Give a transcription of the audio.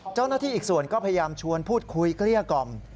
เจ้าหน้าที่อีกส่วนก็พยายามชวนพูดคุยเกลี้ยก่อม